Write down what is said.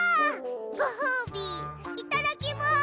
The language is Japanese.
ごほうびいただきます！